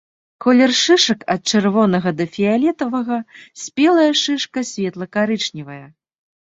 Колер шышак ад чырвонага да фіялетавага, спелая шышка светла-карычневая.